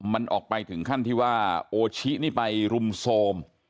มันออกไปถึงขั้นที่ว่าโอชินี่ไปรุมโทรม